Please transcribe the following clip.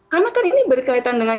karena kan ini berkaitan dengan